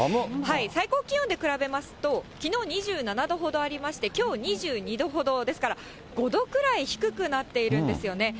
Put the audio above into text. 最高気温で比べますと、きのう２７度ほどありまして、きょう２２度ほどですから、５度くらい低くなっているんですよね。